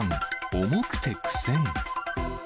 重くて苦戦。